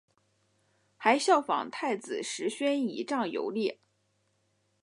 还仿效太子石宣仪仗游猎。